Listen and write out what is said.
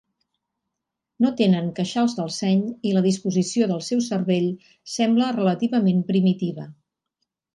No tenen queixals del seny i la disposició del seu cervell sembla relativament primitiva.